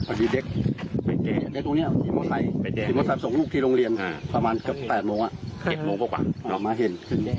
อันนี้เด็กเด็กตรงเนี่ย๔โมงไทย๔โมงไทยส่งลูกที่โรงเรียนประมาณเกือบ๘โมงอ่ะ๗โมงกว่ากว่ามาเห็น